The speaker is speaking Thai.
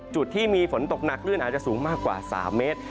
จุดที่มีฝนตกหนักคลื่นอาจจะสูงมากกว่า๓เมตร